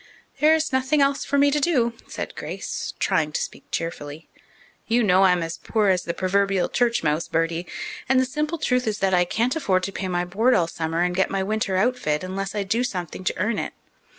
"There is nothing else for me to do," said Grace, trying to speak cheerfully. "You know I'm as poor as the proverbial church mouse, Bertie, and the simple truth is that I can't afford to pay my board all summer and get my winter outfit unless I do something to earn it.